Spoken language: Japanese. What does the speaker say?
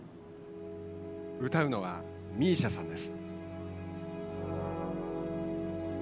歌うのは ＭＩＳＩＡ さんです。